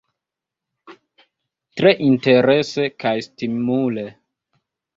Tre interese kaj stimule.